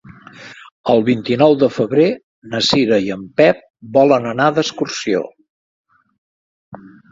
El vint-i-nou de febrer na Cira i en Pep volen anar d'excursió.